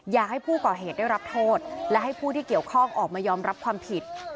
อยากให้ผู้ก่อเหตุได้รับโทษและให้ผู้ที่เกี่ยวข้องออกมายอมรับความผิด